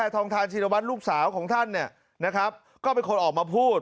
ทองทานชินวัตรลูกสาวของท่านเนี่ยนะครับก็เป็นคนออกมาพูด